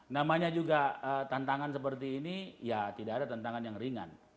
namanya juga tantangan seperti ini ya tidak ada tantangan yang ringan